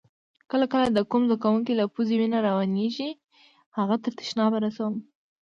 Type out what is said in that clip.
کله کله د کوم زده کونکي له پوزې وینه روانیږي هغه تر تشناب رسوم.